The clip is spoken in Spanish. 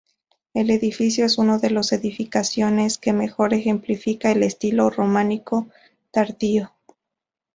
El edificio es uno de las edificaciones que mejor ejemplifican el estilo románico tardío.